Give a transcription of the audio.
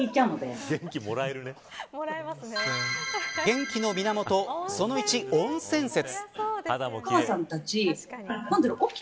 元気の源、その１温泉説。